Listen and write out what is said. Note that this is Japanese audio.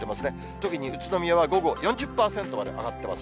特に宇都宮は午後４０％まで上がってます。